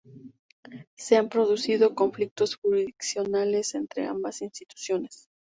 Se han producido conflictos jurisdiccionales entre ambas instituciones.